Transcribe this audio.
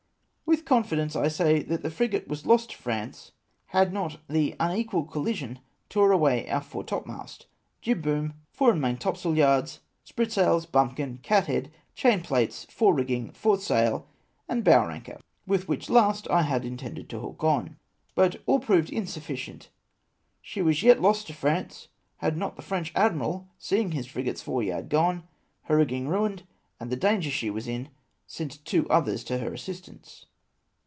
" With confidence I say that the frigate was lost to France had not the unequal collision tore away our foretopmast, jibboom, fore and maintopsailyards, spritsailyards, bumpkin, cathead, chain plates, forerigging, foresail, and bower anchor, with which last I intended to hook on, but all proved insufii cient. She was yet lost to France had not the French admiral, seeing his frigate's foreyard gone, her rigging ruined, and the danger she was in, sent two others to her assistance.